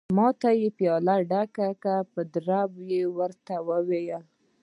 ما ته یې پياله ډکه کړه، دریاب ور ته وویل.